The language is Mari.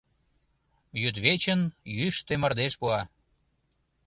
Йӱдвечын йӱштӧ мардеж пуа.